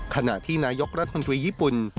ขณะที่นายกรัฐมนตรีญี่ปุ่น